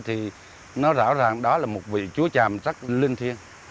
thì nó rõ ràng đó là một vị chúa tràm rất linh thiên